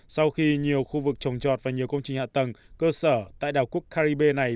sau khi nhiều khu vực trồng trọt và nhiều công trình hạ tầng cơ sở tại đảo cúc caribe này